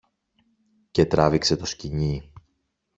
και τράβηξε το σκοινί.